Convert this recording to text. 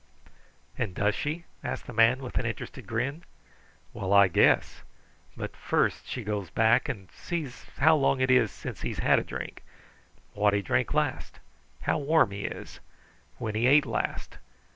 "And does she?" asked the man with an interested grin. "Well, I guess! But first she goes back and sees how long it is since he's had a drink. What he drank last. How warm he is. When he ate last.